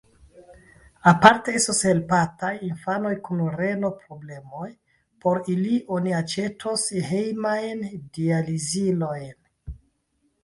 Aparte estos helpataj infanoj kun reno-problemoj: por ili oni aĉetos hejmajn dializilojn.